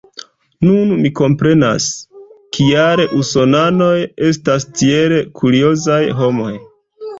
Nun mi komprenas, kial usonanoj estas tiel kuriozaj homoj.